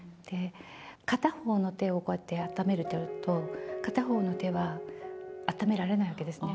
片方の手をこうやってあっためると、片方の手は、あっためられないわけですね。